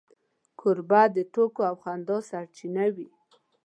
کوربه د ټوکو او خندا سرچینه وي.